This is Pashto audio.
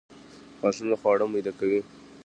غاښونه خواړه میده کوي